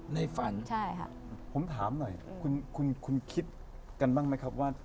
ในฝันผมถามหน่อยคุณคิดกันบ้างไหมครับว่า